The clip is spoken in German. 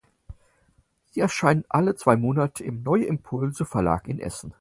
Sie erscheinen alle zwei Monate im Neue-Impulse-Verlag in Essen.